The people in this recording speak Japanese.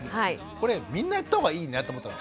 これみんなやったほうがいいなと思ったの。